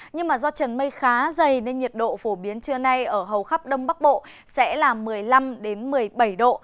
nhưng do trần mây khá dày nên nhiệt độ phổ biến trưa nay ở hầu khắp đông bắc bộ sẽ là một mươi năm một mươi bảy độ